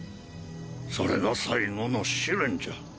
それが最後の試練じゃ。